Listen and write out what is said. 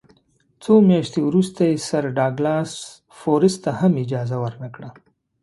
څو میاشتې وروسته یې سر ډاګلاس فورسیت ته هم اجازه ورنه کړه.